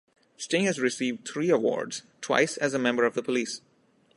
Sting has received three awards, twice as a member of The Police.